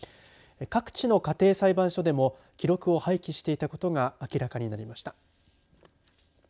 各地の家庭裁判所でも記録を廃棄していたことが明らかになりました。